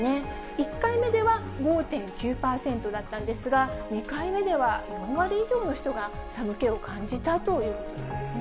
１回目では、５．９％だったんですが、２回目では４割以上の人が寒気を感じたということなんですね。